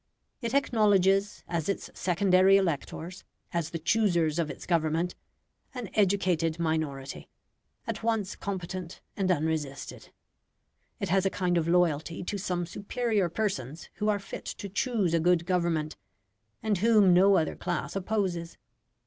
It acknowledges as its secondary electors as the choosers of its government an educated minority, at once competent and unresisted; it has a kind of loyalty to some superior persons who are fit to choose a good government, and whom no other class opposes.